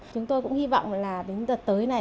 chúng tôi cũng hy vọng là đến đợt tới này